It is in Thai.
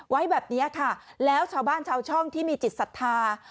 ไว้แบบนี้ค่ะแล้วชาวบ้านชาวช่องที่มีจิตศรัทธา